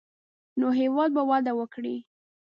نو هېواد به وده وکړي.